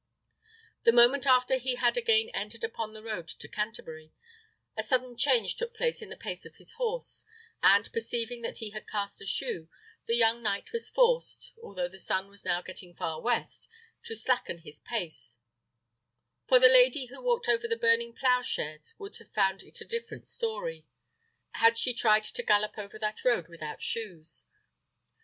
The moment after he had again entered upon the road to Canterbury, a sudden change took place in the pace of his horse, and perceiving that he had cast a shoe, the young knight was forced, although the sun was now getting far west, to slacken his pace; for the lady who walked over the burning ploughshares would have found it a different story, had she tried to gallop over that road without shoes.